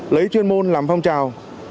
lấy chuyên môn làm phong trào